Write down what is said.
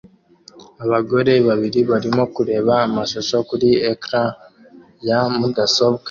Abagore babiri barimo kureba amashusho kuri ecran ya mudasobwa